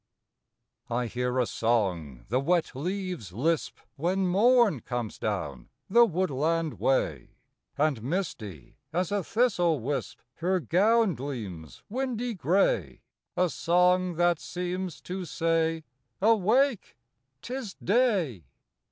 I hear a song the wet leaves lisp When Morn comes down the woodland way; And misty as a thistle wisp Her gown gleams windy gray; A song, that seems to say, "Awake! 'tis day!"